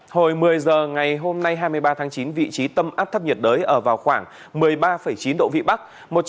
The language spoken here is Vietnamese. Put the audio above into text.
hồi một mươi h ngày hôm nay hai mươi ba tháng chín vị trí tâm áp thấp nhiệt đới ở vào khoảng một mươi ba chín độ vĩ bắc